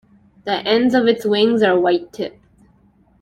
The ends of its wings are white-tipped.